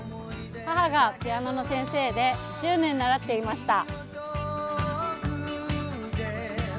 母がピアノの先生で１０年習っていました。